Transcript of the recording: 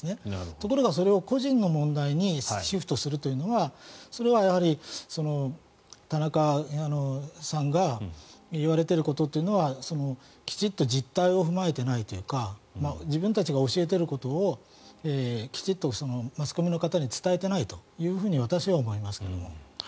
ところがそれを個人の問題にシフトするというのはそれはやはり田中さんが言われていることというのはきちんと実態を踏まえていないというか自分たちが教えていることをきちっとマスコミの方に伝えていないというふうに私は思いますけども。